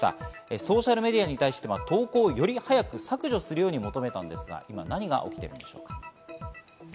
ソーシャルメディアに対して投稿をより早く削除するように求めたんですが、今、何が起きているんでしょうか？